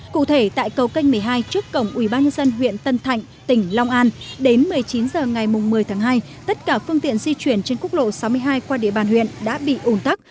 cụ thể tại cầu canh một mươi hai trước cổng ubnd huyện tân thạnh tỉnh long an đến một mươi chín h ngày một mươi tháng hai tất cả phương tiện di chuyển trên quốc lộ sáu mươi hai qua địa bàn huyện đã bị ủn tắc